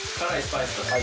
はい